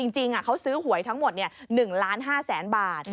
จริงเขาซื้อหวยทั้งหมด๑ล้าน๕แสนบาท